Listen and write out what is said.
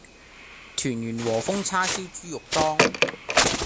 圑圓和風叉燒豬肉丼